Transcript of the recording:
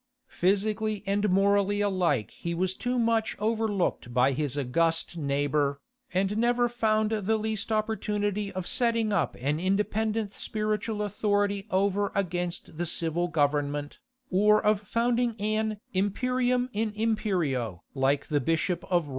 Physically and morally alike he was too much overlooked by his august neighbour, and never found the least opportunity of setting up an independent spiritual authority over against the civil government, or of founding an imperium in imperio like the Bishop of Rome.